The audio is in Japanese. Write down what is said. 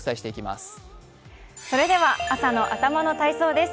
それでは朝の頭の体操です。